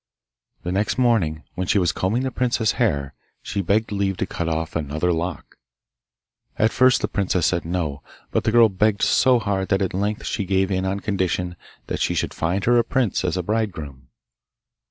The next morning, when she was combing the princess's hair, she begged leave to cut off another lock. At first the princess said no, but the girl begged so hard that at length she gave in on condition that she should find her a prince as bridegroom.